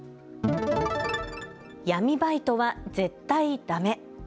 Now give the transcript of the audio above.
闇バイトは絶対ダメ！